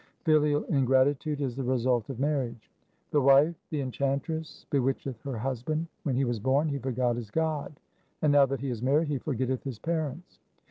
1 Filial ingratitude is the result of marriage :— The wife the enchantress bewitcheth her husband. When he was born he forgot his God, and now that he is married he forgetteth his parents.